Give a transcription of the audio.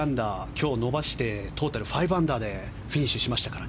今日伸ばしてトータル５アンダーでフィニッシュしましたから。